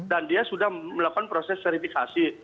dan dia sudah melakukan proses verifikasi